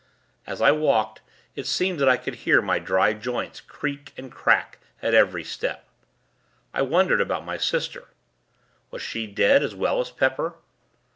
As I walked, it seemed that I could hear my dry joints, creak and crack at every step. I wondered about my sister. Was she dead, as well as Pepper?